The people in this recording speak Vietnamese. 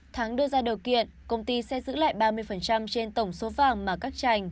tháng đưa ra điều kiện công ty sẽ giữ lại ba mươi trên tổng số vàng mà các trành